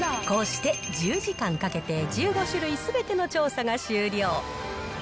こうして１０時間かけて１５種類すべての調査が終了。